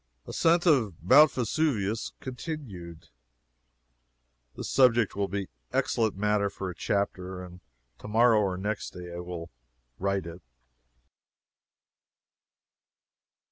ASCENT OF MOUNT VESUVIUS CONTINUED. This subject will be excellent matter for a chapter, and tomorrow or next day I will write it.